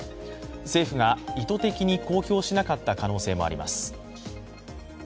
政府が意図的に公表しなかった可能性もあります。